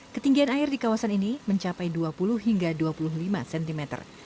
ketinggian air di kawasan ini mencapai dua puluh hingga dua puluh lima cm